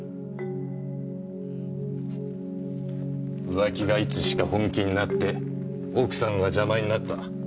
浮気がいつしか本気になって奥さんが邪魔になった。